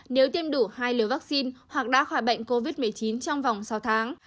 nếu tiêm đủ hai liều vaccine hoặc đã khỏi bệnh covid một mươi chín trong vòng sáu tháng